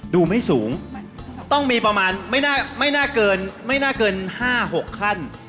ดูไม่สูงต้องมีประมาณไม่น่าเกิน๕๖ขั้น